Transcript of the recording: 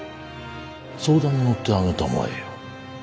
相談に乗ってあげたまえよ。